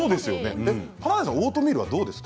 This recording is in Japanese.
華大さんはオートミールはどうですか？